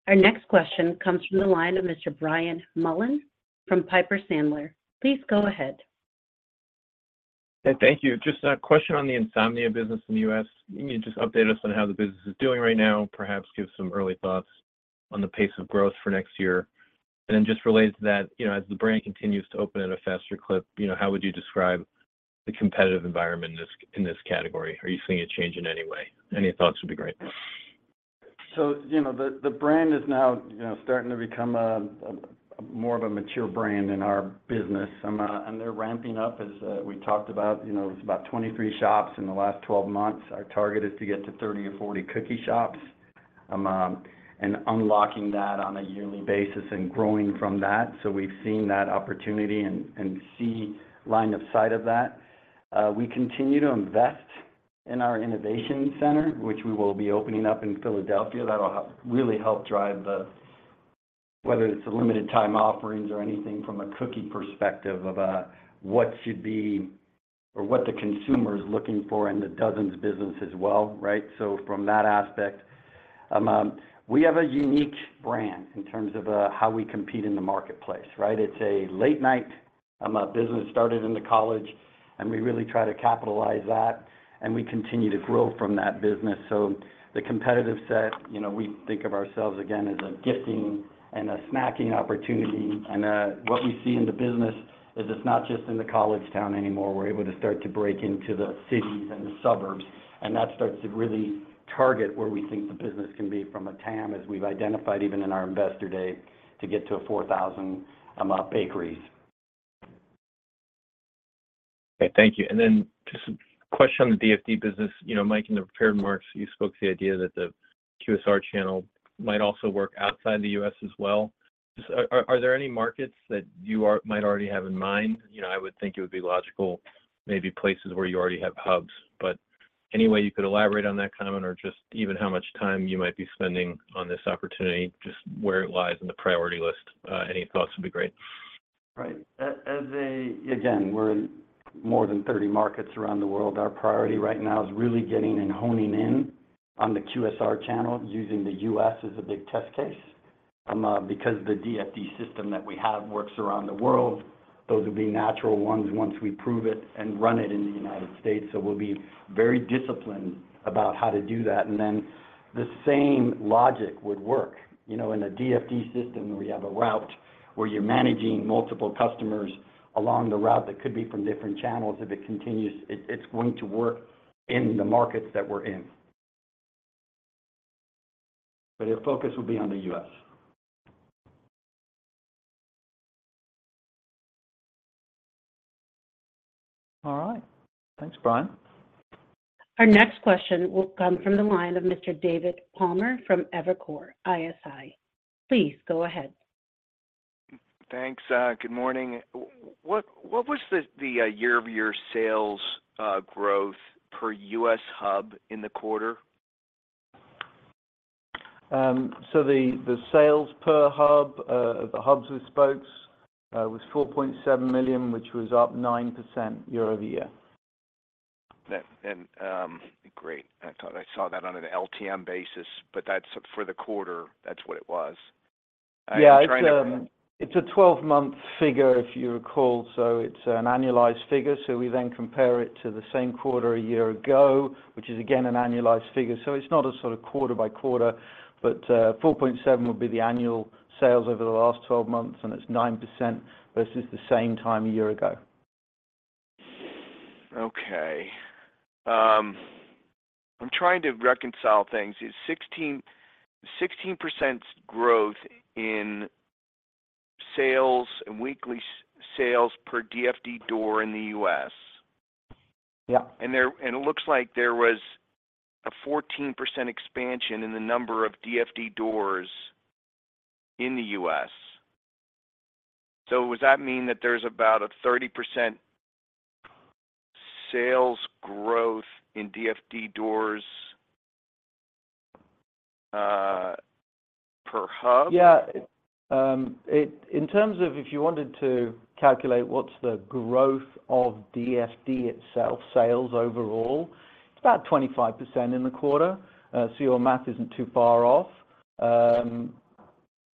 Our next question comes from the line of Mr. Brian Mullan from Piper Sandler. Please go ahead. Hey, thank you. Just a question on the Insomnia business in the U.S. Can you just update us on how the business is doing right now, perhaps give some early thoughts on the pace of growth for next year? Then just related to that, you know, as the brand continues to open at a faster clip, you know, how would you describe the competitive environment in this, in this category? Are you seeing it change in any way? Any thoughts would be great. You know, the, the brand is now, you know, starting to become a, a more of a mature brand in our business. They're ramping up, as we talked about. You know, it's about 23 shops in the last 12 months. Our target is to get to 30 or 40 cookie shops and unlocking that on a yearly basis and growing from that. We've seen that opportunity and, and see line of sight of that. We continue to invest in our innovation center, which we will be opening up in Philadelphia. That'll really help drive the whether it's the limited time offerings or anything from a cookie perspective, about what should be or what the consumer is looking for in the dozens business as well, right? From that aspect, we have a unique brand in terms of how we compete in the marketplace, right. It's a late night business started in the college, and we really try to capitalize that, and we continue to grow from that business. The competitive set, you know, we think of ourselves, again, as a gifting and a snacking opportunity. What we see in the business is it's not just in the college town anymore. We're able to start to break into the cities and the suburbs, and that starts to really target where we think the business can be from a TAM, as we've identified even in our Investor Day, to get to 4,000 bakeries. Okay, thank you. Then just a question on the DFD business. You know, Mike, in the prepared marks, you spoke to the idea that the QSR channel might also work outside the U.S. as well. Are there any markets that you might already have in mind? You know, I would think it would be logical, maybe places where you already have hubs, but... Any way you could elaborate on that comment, or just even how much time you might be spending on this opportunity? Just where it lies in the priority list, any thoughts would be great. Right. As a, again, we're in more than 30 markets around the world. Our priority right now is really getting and honing in on the QSR channel, using the U.S. as a big test case. Because the DFD system that we have works around the world, those will be natural ones once we prove it and run it in the United States. We'll be very disciplined about how to do that, and then the same logic would work. You know, in a DFD system, where you have a route where you're managing multiple customers along the route that could be from different channels. If it continues, it's going to work in the markets that we're in. Our focus will be on the U.S. All right. Thanks, Brian. Our next question will come from the line of Mr. David Palmer from Evercore ISI. Please go ahead. Thanks. Good morning. What was the year-over-year sales growth per U.S. hub in the quarter? The, the sales per hub, the hubs with spokes, was $4.7 million, which was up 9% year-over-year. Yeah, great. I thought I saw that on an LTM basis. That's for the quarter. That's what it was. I'm trying to. Yeah, it's, it's a 12-month figure, if you recall. It's an annualized figure, so we then compare it to the same quarter a year ago, which is again, an annualized figure. It's not a sort of quarter by quarter, but, 4.7 would be the annual sales over the last 12 months, and it's 9% versus the same time a year ago. Okay. I'm trying to reconcile things. Is 16% growth in sales and weekly sales per DFD door in the U.S.? Yeah. It looks like there was a 14% expansion in the number of DFD doors in the U.S. Would that mean that there's about a 30% sales growth in DFD doors, per hub? Yeah. In terms of if you wanted to calculate what's the growth of DFD itself, sales overall, it's about 25% in the quarter. Your math isn't too far off,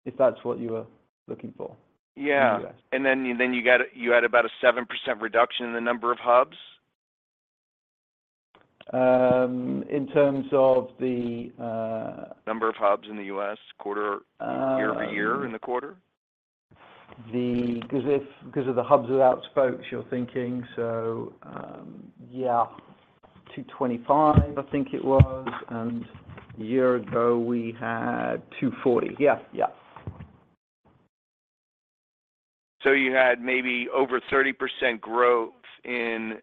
if that's what you were looking for. Yeah. In the U.S. Then, you had about a 7% reduction in the number of hubs? In terms of the, - Number of hubs in the U.S. quarter, year-over-year in the quarter. Because of the hubs without spokes, you're thinking, so, yeah, 225, I think it was, and a year ago we had 240. Yeah. Yeah. You had maybe over 30% growth in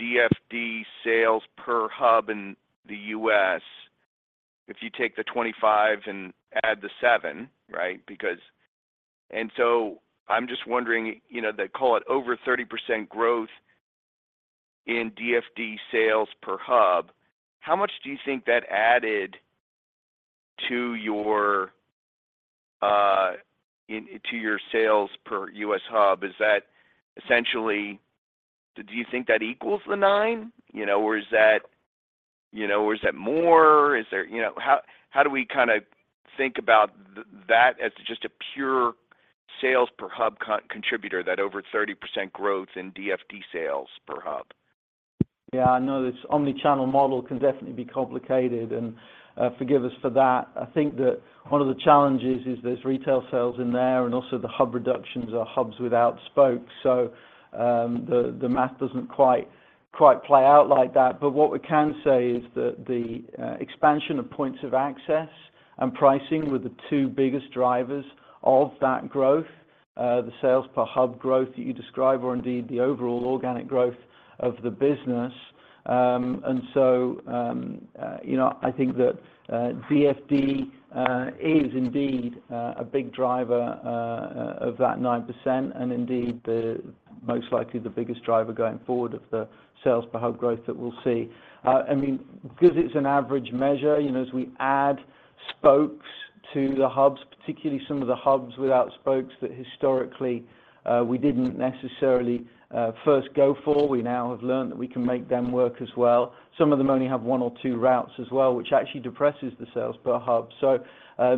DFD sales per hub in the U.S., if you take the 25 and add the 7, right? Because... I'm just wondering, you know, they call it over 30% growth in DFD sales per hub. How much do you think that added to your in, to your sales per U.S. hub? Is that essentially... Do you think that equals the 9? You know, or is that, you know, or is that more? Is there-- You know, how, how do we kinda think about that as just a pure sales per hub contributor, that over 30% growth in DFD sales per hub? Yeah, I know this omni-channel model can definitely be complicated, and forgive us for that. I think that one of the challenges is there's retail sales in there, and also the hub reductions are hubs without spokes. The, the math doesn't quite, quite play out like that. What we can say is that the expansion of points of access and pricing were the two biggest drivers of that growth, the sales per hub growth that you describe, or indeed, the overall organic growth of the business. So, you know, I think that DFD is indeed a big driver of that 9%, and indeed, the most likely the biggest driver going forward of the sales per hub growth that we'll see. I mean, because it's an average measure, you know, as we add spokes to the hubs, particularly some of the hubs without spokes, that historically, we didn't necessarily first go for, we now have learned that we can make them work as well. Some of them only have one or two routes as well, which actually depresses the sales per hub.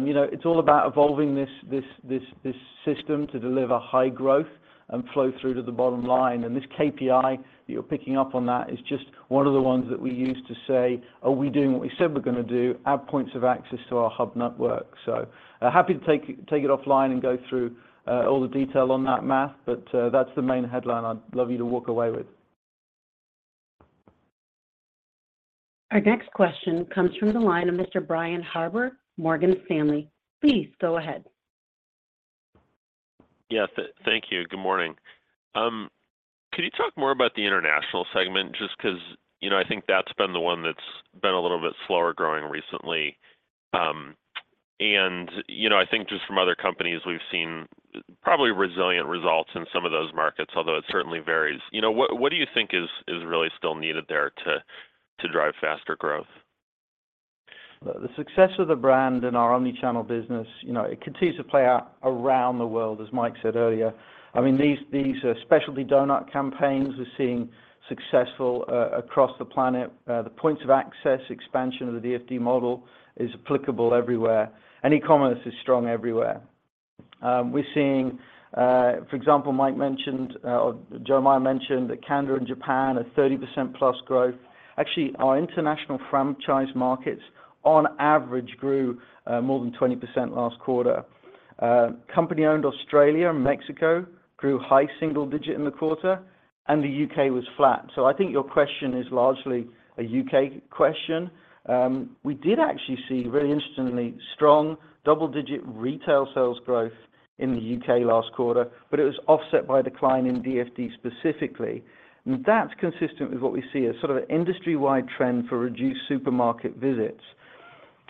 You know, it's all about evolving this, this, this, this system to deliver high growth and flow through to the bottom line. This KPI, that you're picking up on that, is just one of the ones that we use to say, "Are we doing what we said we're going to a do? Add points of access to our hub network." Happy to take it, take it offline and go through all the detail on that math. That's the main headline I'd love you to walk away with. Our next question comes from the line of Mr. Brian Harbour, Morgan Stanley. Please go ahead. Yeah, thank you. Good morning. Could you talk more about the international segment? Just 'cause, you know, I think that's been the one that's been a little bit slower growing recently. You know, I think just from other companies, we've seen probably resilient results in some of those markets, although it certainly varies. You know, what, what do you think is, is really still needed there to, to drive faster growth? The success of the brand in our omni-channel business, you know, it continues to play out around the world, as Mike said earlier. I mean, these, these specialty doughnut campaigns, we're seeing successful across the planet. The points of access, expansion of the DFD model is applicable everywhere, and e-commerce is strong everywhere. We're seeing, for example, Mike mentioned, or Jeremiah mentioned that Canada and Japan are +30% growth. Actually, our international franchise markets on average grew more than 20% last quarter. Company-owned Australia and Mexico grew high single digit in the quarter, and the UK was flat. I think your question is largely a UK question. We did actually see, very interestingly, strong double-digit retail sales growth in the UK last quarter, but it was offset by a decline in DFD specifically. That's consistent with what we see as sort of an industry-wide trend for reduced supermarket visits.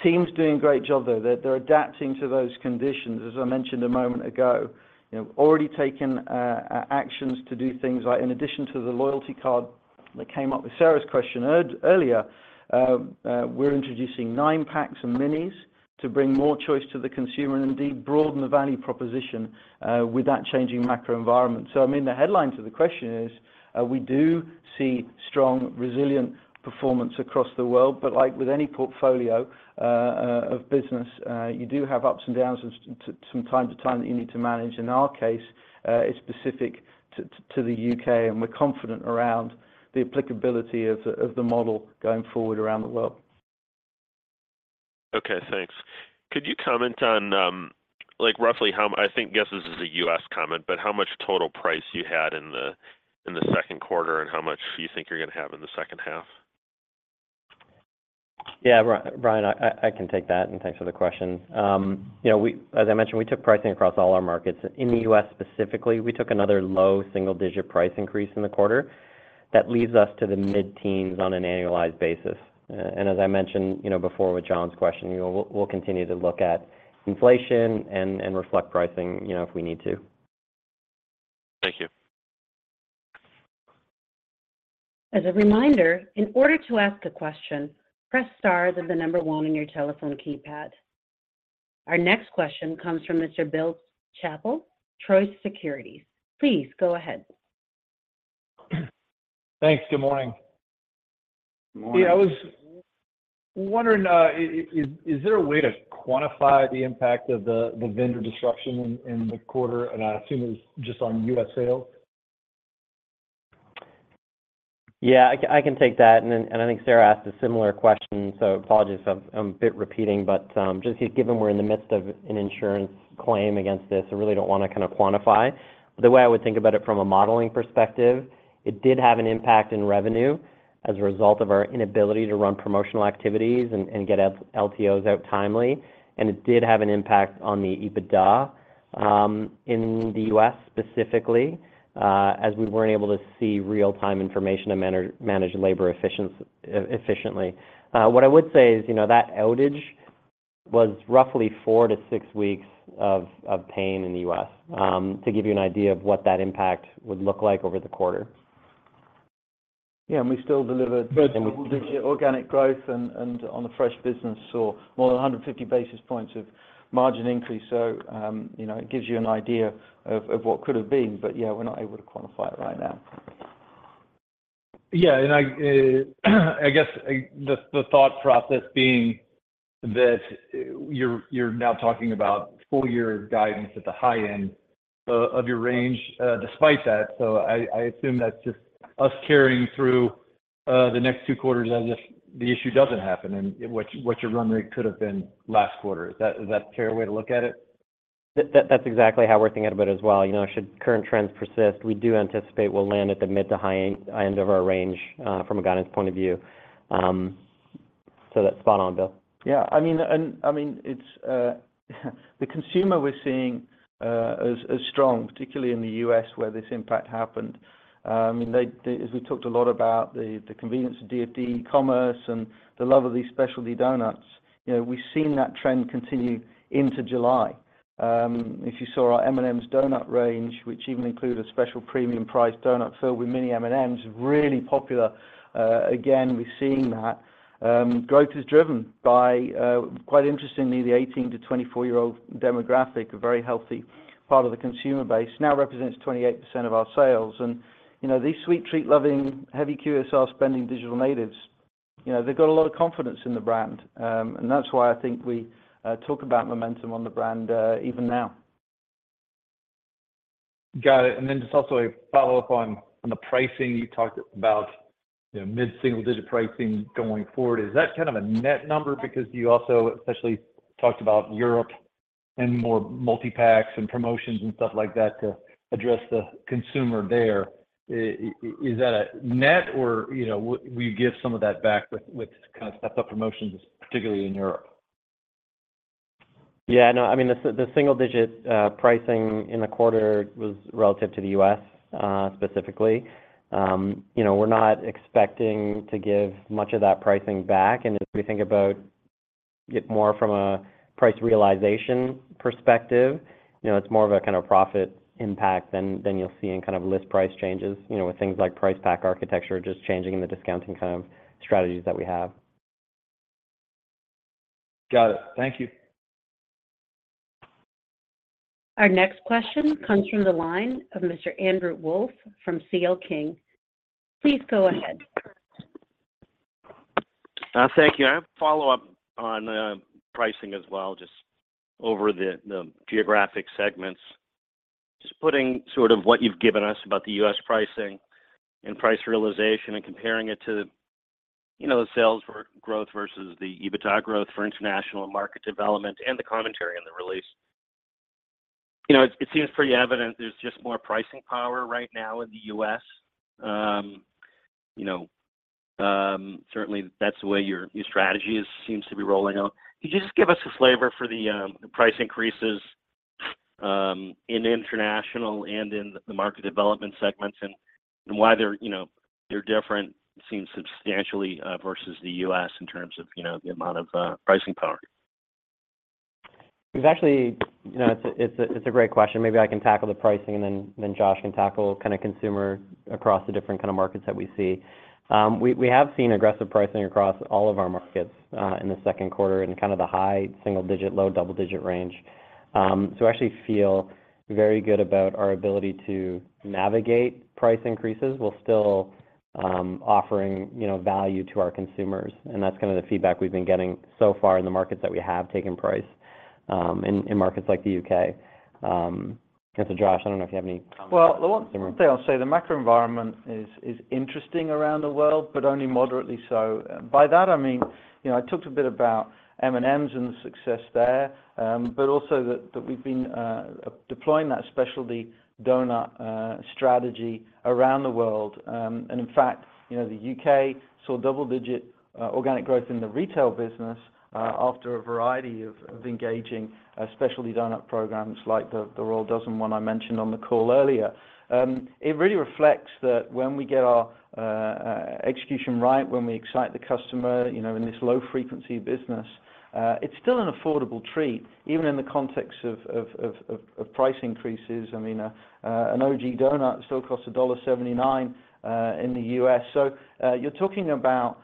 Team's doing a great job, though. They're adapting to those conditions. As I mentioned a moment ago, you know, already taken actions to do things like in addition to the loyalty card that came up with Sara's question earlier, we're introducing nine packs and minis to bring more choice to the consumer and indeed broaden the value proposition with that changing macro environment. I mean, the headline to the question is, we do see strong, resilient performance across the world, but like with any portfolio of business, you do have ups and downs from time to time that you need to manage. In our case, it's specific to, to the U.K., and we're confident around the applicability of the, of the model going forward around the world. Okay, thanks. Could you comment on, like, roughly how much total price you had in the second quarter and how much you think you're going to have in the second half? Yeah, Brian, I, I can take that, thanks for the question. You know, we as I mentioned, we took pricing across all our markets. In the U.S. specifically, we took another low single digit price increase in the quarter. That leads us to the mid-teens on an annualized basis. As I mentioned, you know, before with John's question, you know, we'll, we'll continue to look at inflation and, and reflect pricing, you know, if we need to. Thank you. As a reminder, in order to ask a question, press star, then the number 1 on your telephone keypad. Our next question comes from Mr. Bill Chappell, Truist Securities. Please go ahead. Thanks. Good morning. Good morning. Yeah, I was wondering, is there a way to quantify the impact of the vendor disruption in the quarter, and I assume it's just on U.S. sales? Yeah, I can take that, and then, and I think Sarah asked a similar question, so apologies if I'm, I'm a bit repeating. Just given we're in the midst of an insurance claim against this, I really don't want to kind of quantify. The way I would think about it from a modeling perspective, it did have an impact in revenue as a result of our inability to run promotional activities and get LTOs out timely, and it did have an impact on the EBITDA in the U.S. specifically, as we weren't able to see real-time information and manage labor efficiently. What I would say is, you know, that outage was roughly four to six weeks of pain in the U.S., to give you an idea of what that impact would look like over the quarter. Yeah, we still delivered. But- organic growth and, and on the fresh business saw more than 150 basis points of margin increase. You know, it gives you an idea of, of what could have been, but yeah, we're not able to quantify it right now. Yeah, I guess, the thought process being that you're now talking about full year guidance at the high end of your range despite that. I assume that's just us carrying through the next two quarters as if the issue doesn't happen and what your run rate could have been last quarter. Is that, is that a fair way to look at it? That, that, that's exactly how we're thinking about it as well. You know, should current trends persist, we do anticipate we'll land at the mid to high end, high end of our range, from a guidance point of view. So that's spot on, Bill. Yeah, I mean, I mean, it's, the consumer we're seeing, is, is strong, particularly in the U.S., where this impact happened. I mean, as we talked a lot about the, the convenience of DFD, e-commerce, and the love of these specialty doughnuts, you know, we've seen that trend continue into July. If you saw our M&M's doughnut range, which even included a special premium price doughnut filled with mini M&M's, really popular. Again, we're seeing that. Growth is driven by, quite interestingly, the 18- to 24-year-old demographic, a very healthy part of the consumer base, now represents 28% of our sales. You know, these sweet treat-loving, heavy QSR-spending digital natives, you know, they've got a lot of confidence in the brand. That's why I think we talk about momentum on the brand, even now. Got it. Then just also a follow-up on, on the pricing. You talked about, you know, mid-single-digit pricing going forward. Is that kind of a net number? Because you also especially talked about Europe and more multi-packs and promotions and stuff like that to address the consumer there. Is that a net or, you know, we give some of that back with, with kind of stepped up promotions, particularly in Europe? Yeah, no, I mean, the, the single digit pricing in the quarter was relative to the U.S., specifically. You know, we're not expecting to give much of that pricing back. As we think about get more from a price realization perspective. You know, it's more of a kind of profit impact than, than you'll see in kind of list price changes, you know, with things like price pack architecture, just changing the discounting kind of strategies that we have. Got it. Thank you. Our next question comes from the line of Mr. Andrew Wolf from C.L. King. Please go ahead. Thank you. I have a follow-up on pricing as well, just over the geographic segments. Just putting sort of what you've given us about the U.S. pricing and price realization and comparing it to, you know, the sales for growth versus the EBITDA growth for international and market development and the commentary on the release. You know, it, it seems pretty evident there's just more pricing power right now in the U.S. You know, certainly that's the way your, your strategy seems to be rolling out. Could you just give us a flavor for the price increases in international and in the market development segments, and why they're, you know, they're different, it seems substantially versus the U.S. in terms of, you know, the amount of pricing power? We've actually. You know, it's a great question. Maybe I can tackle the pricing and then Josh can tackle kind of consumer across the different kind of markets that we see. We have seen aggressive pricing across all of our markets in the second quarter, in kind of the high single digit, low double digit range. We actually feel very good about our ability to navigate price increases, while still offering, you know, value to our consumers, and that's kind of the feedback we've been getting so far in the markets that we have taken price in markets like the UK. Josh, I don't know if you have any comments? Well, the one thing I'll say, the macro environment is, is interesting around the world, but only moderately so. By that I mean, you know, I talked a bit about M&M's and the success there, but also that, that we've been deploying that specialty donut strategy around the world. In fact, you know, the U.K. saw double-digit organic growth in the retail business after a variety of, of engaging specialty donut programs like the, the Royal Dozen one I mentioned on the call earlier. It really reflects that when we get our execution right, when we excite the customer, you know, in this low frequency business, it's still an affordable treat, even in the context of, of, of, of, of price increases. I mean, an OG donut still costs $1.79 in the U.S. You're talking about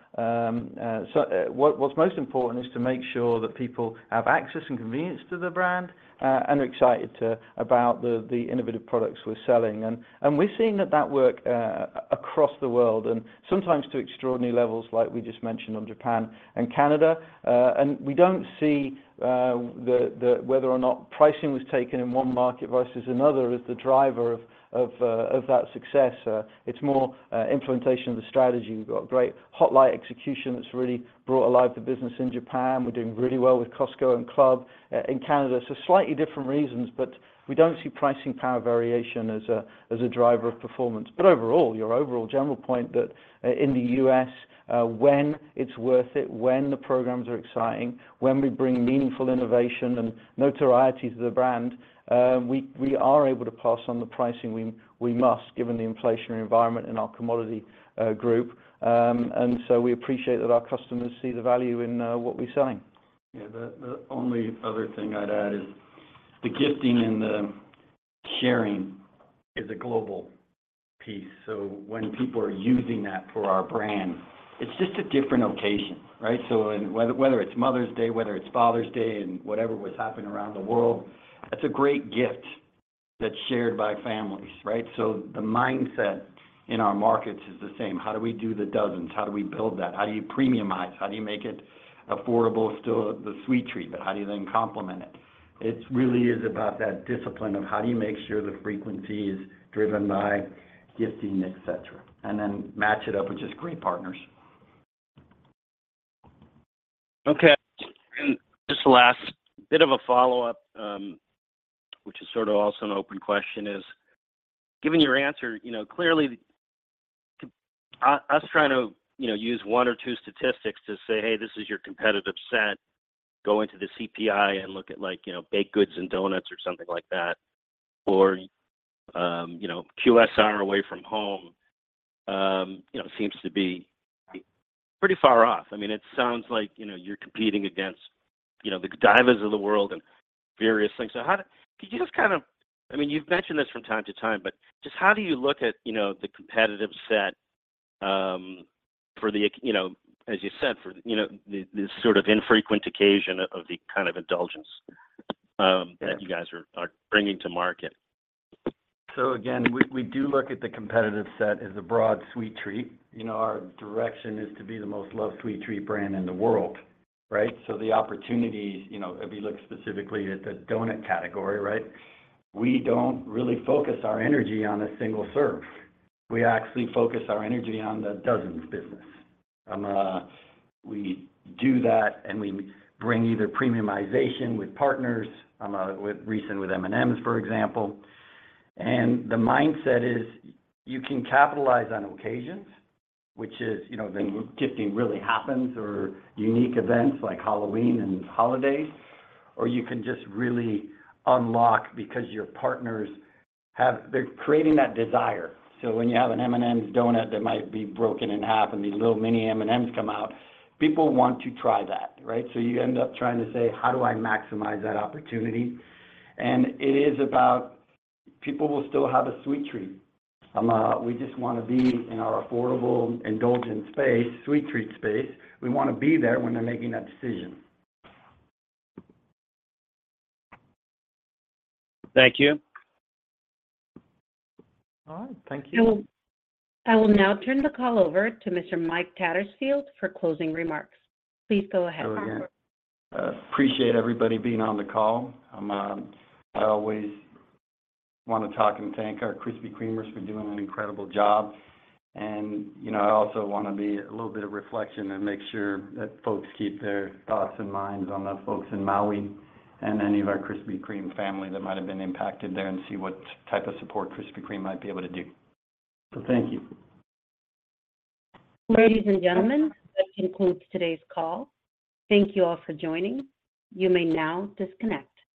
what's most important is to make sure that people have access and convenience to the brand and are excited about the innovative products we're selling. And we've seen that that work across the world, and sometimes to extraordinary levels, like we just mentioned on Japan and Canada. And we don't see whether or not pricing was taken in one market versus another, as the driver of that success. It's more implementation of the strategy. We've got great hotlight execution that's really brought alive the business in Japan. We're doing really well with Costco and Club in Canada. Slightly different reasons, but we don't see pricing power variation as a driver of performance. Overall, your overall general point, that, in the U.S., when it's worth it, when the programs are exciting, when we bring meaningful innovation and notoriety to the brand, we are able to pass on the pricing we must, given the inflationary environment in our commodity group. We appreciate that our customers see the value in what we're selling. Yeah, the only other thing I'd add is the gifting and the sharing is a global piece. When people are using that for our brand, it's just a different occasion, right? Whether it's Mother's Day, whether it's Father's Day, and whatever what's happening around the world, that's a great gift that's shared by families, right? The mindset in our markets is the same. How do we do the dozens? How do we build that? How do you premiumize? How do you make it affordable to the sweet treat, but how do you then complement it? It really is about that discipline of how do you make sure the frequency is driven by gifting, et cetera, and then match it up with just great partners. Okay. Just the last bit of a follow-up, which is sort of also an open question, is given your answer, you know, clearly, us trying to, you know, use one or two statistics to say, "Hey, this is your competitive set," go into the CPI and look at, like, you know, baked goods and donuts or something like that. Or, you know, QSR away from home, you know, seems to be pretty far off. I mean, it sounds like, you know, you're competing against, you know, the Godivas of the world and various things. Could you just kind of... I mean, you've mentioned this from time to time, but just how do you look at, you know, the competitive set for the, you know, as you said, for, you know, the, the sort of infrequent occasion of the kind of indulgence that you guys are bringing to market? Again, we, we do look at the competitive set as a broad sweet treat. You know, our direction is to be the most loved sweet treat brand in the world, right? The opportunity, you know, if you look specifically at the doughnut category, right? We don't really focus our energy on a single serve. We actually focus our energy on the dozens business. We do that, and we bring either premiumization with partners, with recent with M&M's, for example. The mindset is, you can capitalize on occasions, which is, you know, when gifting really happens or unique events like Halloween and holidays, or you can just really unlock because your partners have, they're creating that desire. When you have an M&M's doughnut that might be broken in half, and these little mini M&M's come out, people want to try that, right? You end up trying to say: How do I maximize that opportunity? It is about, people will still have a sweet treat. We just want to be in our affordable, indulgent space, sweet treat space. We want to be there when they're making that decision. Thank you. All right. Thank you. I will now turn the call over to Mr. Mike Tattersfield for closing remarks. Please go ahead. Sure, yeah. Appreciate everybody being on the call. I always want to talk and thank our Krispy Kremers for doing an incredible job. You know, I also want to be a little bit of reflection and make sure that folks keep their thoughts and minds on the folks in Maui and any of our Krispy Kreme family that might have been impacted there, and see what type of support Krispy Kreme might be able to do. Thank you. Ladies and gentlemen, this concludes today's call. Thank you all for joining. You may now disconnect.